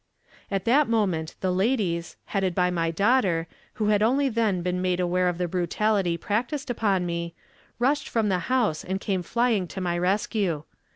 At that moment the ladies, headed by my daughter, who had only then been made aware of the brutality practiced upon me, rushed from the house, and came flying to my rescue.